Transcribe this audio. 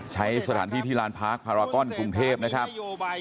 ใช้สถานที่ที่ลานพาร์คพารากอนกรุงเทพนะครับ